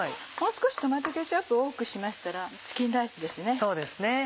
もう少しトマトケチャップ多くしましたらチキンライスですね。